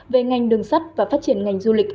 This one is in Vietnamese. về ngành đường sắt và phát triển ngành du lịch